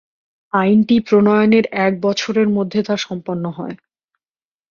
আইনটি প্রণয়নের এক বছরের মধ্যে তা সম্পন্ন হয়।